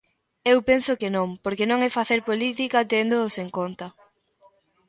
Eu penso que non, porque non é facer política téndoos en conta.